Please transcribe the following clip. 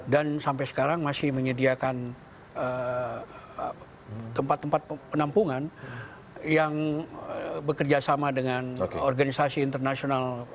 dan sampai sekarang masih menyediakan tempat tempat penampungan yang bekerjasama dengan organisasi internasional